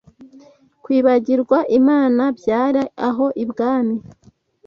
kwibagirwa Imana byari aho ibwami